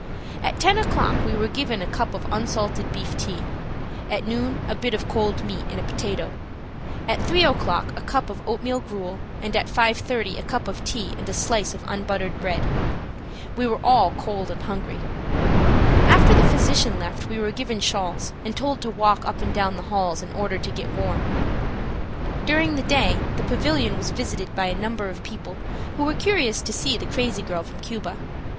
At 10 o'clock we were given a cup of unsalted beef tea; at noon a bit of cold meat and a potatoe, at 3 o'clock a cup of oatmeal gruel and at 5.30 a cup of tea and a slice of unbuttered bread. We were all cold and hungry. After the physician left we were given shawls and told to walk up and down the halls in order to get warm. During the day the pavilion was visited by a number of people who were curious to see the crazy girl from Cuba.